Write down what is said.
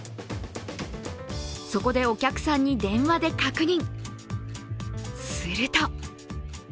そこでお客さんに電話で確認。